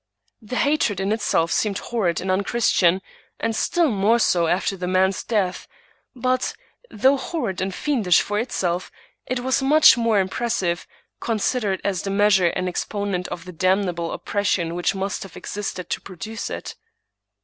The hatred in itself seemed horrid and unchristian, and still more so after the man's death; but, though horrid and fiendish for itself, it was much more impressive, considered as the measure and exponent of the damnable oppression which must have ex isted to produce it.